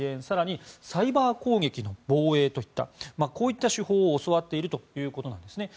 更にサイバー攻撃の防衛といったこういった手法を教わっているということです。